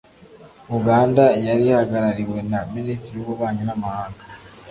Uganda yari ihagarariwe na Minisitiri w’Ububanyi n’amahanga